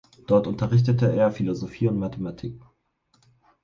Dort unterrichtete er Philosophie und Mathematik.